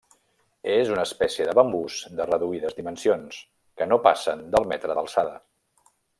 És una espècie de bambús de reduïdes dimensions, que no passen del metre d'alçada.